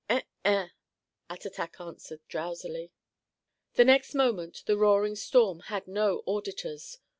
"Eh eh," Attatak answered drowsily. The next moment the roaring storm had no auditors.